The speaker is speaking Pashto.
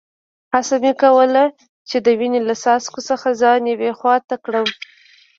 هڅه مې وکړل چي د وینې له څاڅکو څخه ځان یوې خوا ته کړم.